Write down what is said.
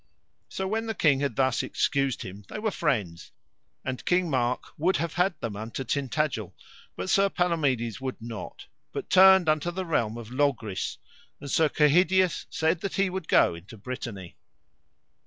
So when the king had thus excused him they were friends, and King Mark would have had them unto Tintagil; but Sir Palomides would not, but turned unto the realm of Logris, and Sir Kehydius said that he would go into Brittany.